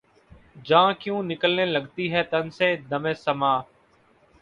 جاں کیوں نکلنے لگتی ہے تن سے‘ دمِ سماع